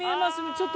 ちょっと。